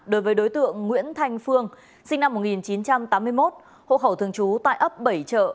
đối với đối tượng nguyễn thanh phương sinh năm một nghìn chín trăm tám mươi một hộ khẩu thường trú tại ấp bảy trợ